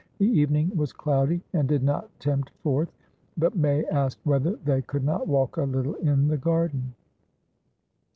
The evening was cloudy, and did not tempt forth, but May asked whether they could not walk a little in the garden.